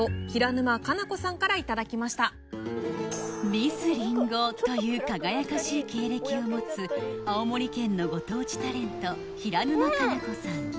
ミスりんごという輝かしい経歴を持つ青森県のご当地タレント平沼日菜子さん